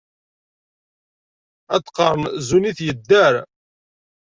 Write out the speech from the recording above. Ad d-qqaṛen zun-it yedder.